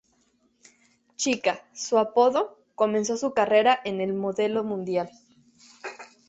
Chika, su apodo, comenzó su carrera en el modelo mundial.